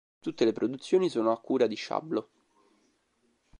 Tutte le produzioni sono a cura di Shablo.